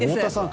太田さん